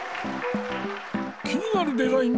気になるデザイン